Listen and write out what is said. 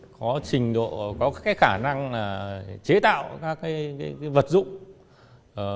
có trình độ có khả năng chế tạo các vật dụng này